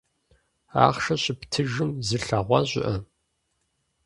Ахъшэр щептыжым зылъэгъуа щыӀэ?